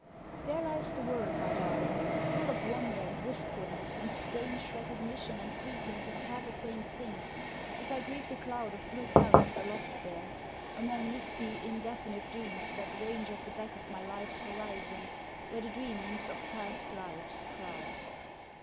There lies the world, my darling, full of wonder and wistfulness and strange Recognition and greetings of half acquaint things, as I greet the cloud Of blue palace aloft there, among misty indefinite dreams that range At the back of my life's horizon, where the dreamings of past lives crowd.